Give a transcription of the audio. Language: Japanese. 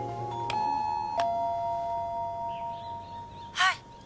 はい。